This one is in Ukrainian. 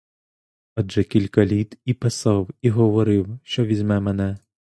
Адже кілька літ і писав, і говорив, що візьме мене.